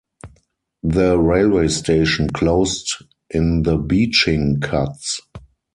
The railway station closed in the Beeching cuts.